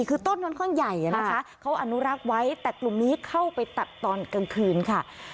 คือต้นค่อนข้างใหญ่นะคะเขาอนุรักษ์ไว้แต่กลุ่มนี้เข้าไปตัดตอนกลางคืนค่ะ